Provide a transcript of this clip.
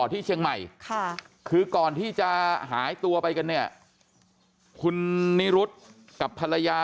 ที่เชียงใหม่คือก่อนที่จะหายตัวไปกันเนี่ยคุณนิรุธกับภรรยา